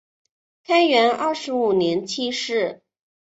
开元二十五年去世。